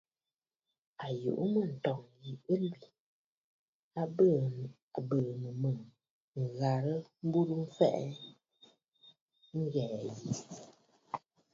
À yùʼù mə̂, ǹtɔ̂ŋ yi ɨ lwî, a bɨɨ̀nə̀ mə ghàrə̀, m̀burə mfɛʼɛ ghɛ̀ɛ̀ ƴi.